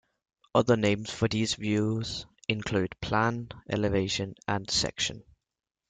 Other names for these views include "plan", "elevation" and "section".